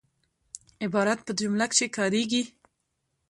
عبارت په جمله کښي کاریږي.